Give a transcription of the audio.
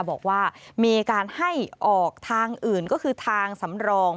บอกว่ามีการให้ออกทางอื่นก็คือทางสำรอง